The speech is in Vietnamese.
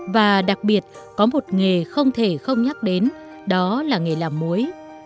và đặc biệt có một nghề không thể không nhắc đến đó là nghề làm muối